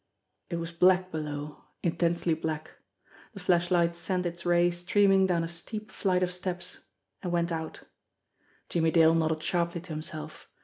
It was black below, intensely black. The flashlight sent its ray streaming down a steep flight of steps and went out. Jimmie Dale nodded sharply to himself.